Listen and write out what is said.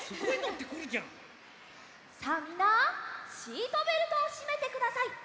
さあみんなシートベルトをしめてください！